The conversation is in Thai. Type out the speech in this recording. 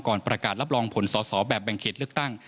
ประกาศรับรองผลสอสอแบบแบ่งเขตเลือกตั้ง